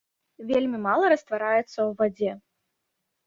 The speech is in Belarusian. Вельмі мала раствараецца ў вадзе.